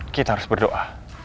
kita harus berdoa